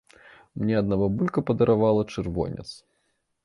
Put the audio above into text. Мне адна бабулька падаравала чырвонец.